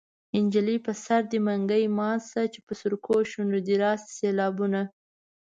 نجلۍ په سر دې منګی مات شه چې په سرکو شونډو دې راشي سېلابونه